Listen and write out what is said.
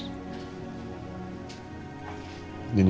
ini masalah elsa